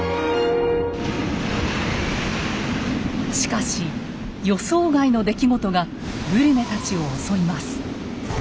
しかし予想外の出来事がブリュネたちを襲います。